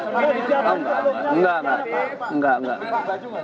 oh enggak enggak enggak